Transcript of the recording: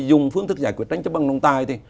dùng phương thức giải quyết tranh chấp đồng tài